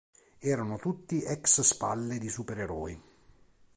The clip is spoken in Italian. Erano tutti ex spalle di supereroi.